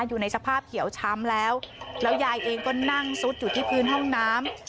อยู่ในสภาพเขียวช้ำแล้วแล้วยายเองก็นั่งซุดอยู่ที่พื้นห้องน้ำ